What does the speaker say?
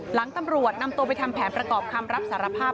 ตำรวจนำตัวไปทำแผนประกอบคำรับสารภาพ